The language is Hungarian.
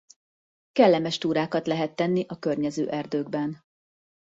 Kellemes túrákat lehet tenni a környező erdőkben.